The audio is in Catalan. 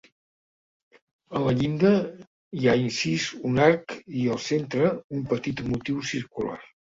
En la llinda hi ha incís un arc i al centre un petit motiu circular.